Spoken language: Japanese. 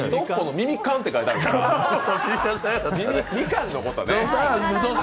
耳缶って書いてあるからみかんのことね。